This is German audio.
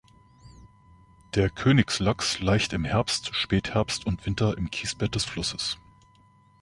Der Königslachs laicht im Herbst, Spätherbst und Winter im Kiesbett des Flusses.